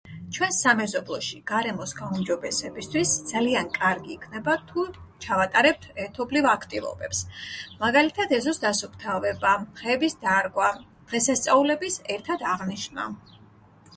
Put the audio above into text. ჩვენს სამეზობლოში გარემოს გაუმჯობესებისთვის ძალიან კარგი იქნება თუ ჩავატარებთ ერთობლივ აქტივობებს. მაგალითად, ეზოს დასუფთავება, ხეების დარგვა, დღესასწაულების ერთად აღნიშვნა.